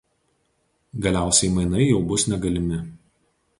Galiausiai mainai jau bus negalimi.